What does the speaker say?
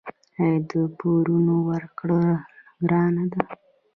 آیا د پورونو ورکړه ګرانه ده؟